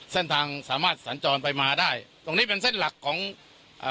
สามารถสัญจรไปมาได้ตรงนี้เป็นเส้นหลักของอ่า